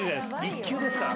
１級ですから。